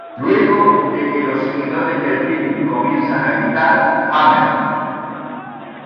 Luego de que "los seguidores" de Pink comienzan a gritar "Hammer!